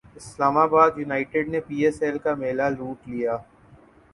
اسلام باد یونائٹیڈ نے P S L کا میلہ لوٹ لیا